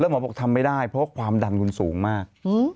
หมอบอกทำไม่ได้เพราะความดันคุณสูงมาก